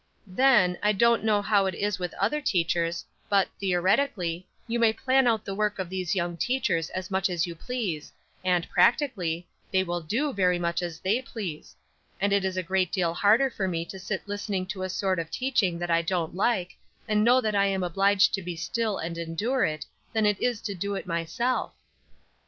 "Then, I don't know how it is with other teachers, but, theoretically, you may plan out the work of these young teachers as much as you please, and, practically, they will do very much as they please; and it is a great deal harder for me to sit listening to a sort of teaching that I don't like, and know that I am obliged to be still and endure it, than it is to do it myself.